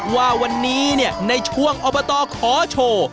ว่าวันนี้เนี่ยในช่วงออเบอตตอร์ขอโชว์